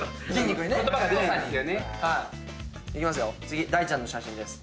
次大ちゃんの写真です。